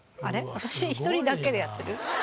私１人だけでやってる？